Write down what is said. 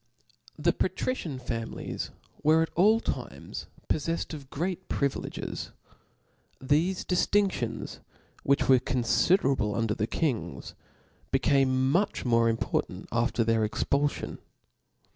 The patrician families were at all times poflcfled of great privileges* Thefe diftindlrgns, which were confiderablc under the kings, became much more important after their expulfion.